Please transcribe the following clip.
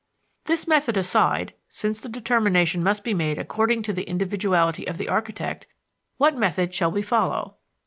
This method aside, since the determination must be made according to the individuality of the architect, what method shall we follow?